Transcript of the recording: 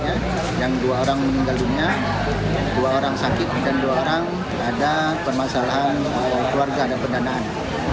yang dua orang meninggal dunia dua orang sakit dan dua orang ada permasalahan keluarga ada pendanaan